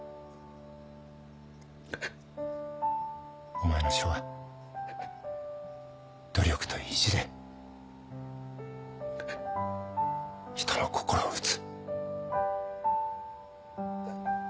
お前の書は努力と意地で人の心を打つ。